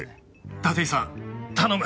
立石さん頼む！